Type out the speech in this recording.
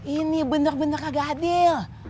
ini bener bener agak adil